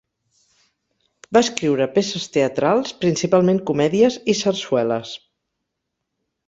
Va escriure peces teatrals, principalment comèdies i sarsueles.